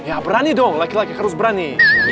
ya berani dong laki laki harus berani